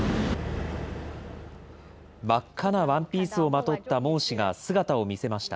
真っ赤なワンピースをまとった孟氏が姿を見せました。